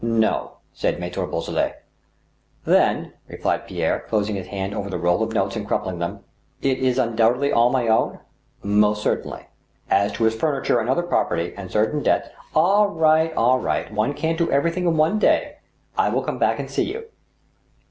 No," said Mattre Boisselot. THE WILL OPENED. 19 " Then," replied Pierre, closing his hand over the roll of notes and crumpling them, " is it undoubtedly all my own ?"" Most certainly. As to his furniture and other property, and certain de*bts —"" All right — all right I One can't do everything in one day. I will come back and see you."